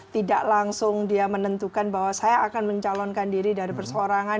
tidak langsung dia menentukan bahwa saya akan mencalonkan diri dari perseorangan